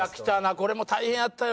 これも大変やったよ